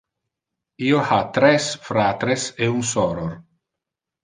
Io ha tres fratres e un soror.